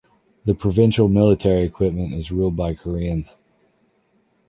The provincial military equipment is ruled by Koreans.